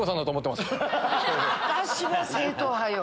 私は正統派よ。